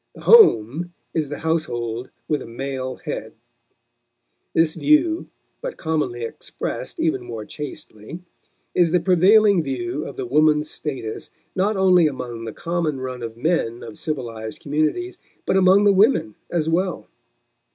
The "home" is the household with a male head. This view, but commonly expressed even more chastely, is the prevailing view of the woman's status, not only among the common run of the men of civilized communities, but among the women as well.